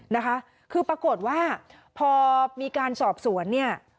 นะคะคือปรากฏว่าพอมีการสอบสวนเนี่ย